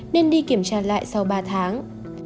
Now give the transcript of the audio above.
nên đi kiểm tra lại sau ba tháng